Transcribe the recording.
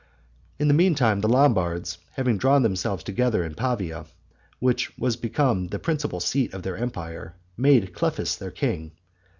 In the meantime the Lombards, having drawn themselves together in Pavia, which was become the principal seat of their empire, made Clefis their king.